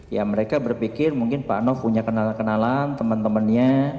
ya mereka berpikir mungkin pak nof punya kenalan kenalan teman temannya